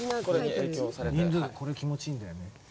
これ気持ちいいんだよね。